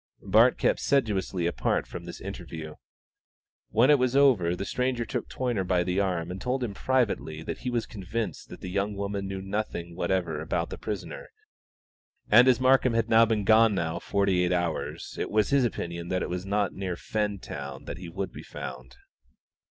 Bart kept sedulously apart from this interview. When it was over the stranger took Toyner by the arm and told him privately that he was convinced that the young woman knew nothing whatever about the prisoner, and as Markham had been gone now forty eight hours it was his opinion that it was not near Fentown that he would be found.